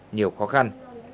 nhiều khó khăn